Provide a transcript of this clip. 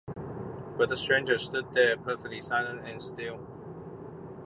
But the stranger stood there, perfectly silent and still.